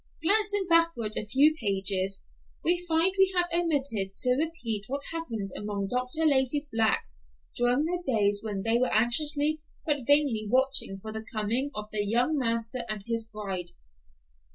Glancing backward a few pages, we find we have omitted to repeat what happened among Dr. Lacey's blacks during the days when they were anxiously but vainly watching for the coming of their young master and his bride.